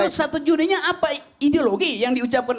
itu satu juninya apa ideologi yang diucapkan